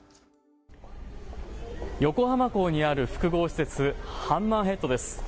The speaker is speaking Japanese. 横浜港にある複合施設、ハンマーヘッドです。